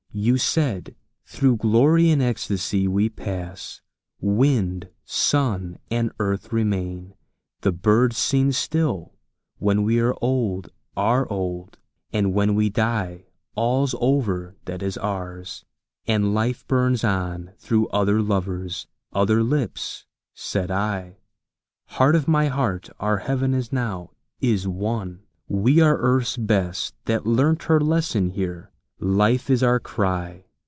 You said, "Through glory and ecstasy we pass; Wind, sun, and earth remain, the birds sing still, When we are old, are old. ..." "And when we die All's over that is ours; and life burns on Through other lovers, other lips," said I, "Heart of my heart, our heaven is now, is won!" "We are Earth's best, that learnt her lesson here. Life is our cry.